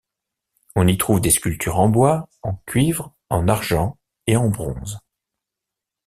On y trouve des sculptures en bois, en cuivre, en argent et en bronze.